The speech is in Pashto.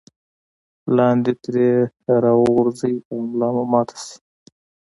لاندې ترې راوغورځئ او ملا مو ماته شي.